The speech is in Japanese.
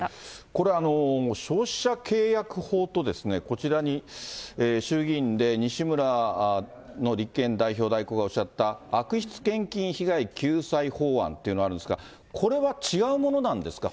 これ、消費者契約法と、こちらに衆議院での立憲代表代行がおっしゃった、悪質献金被害救済法案というのがあるんですが、これは違うものなんですか。